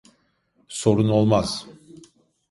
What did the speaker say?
Sorun olmaz.